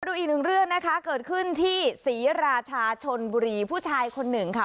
ดูอีกหนึ่งเรื่องนะคะเกิดขึ้นที่ศรีราชาชนบุรีผู้ชายคนหนึ่งค่ะ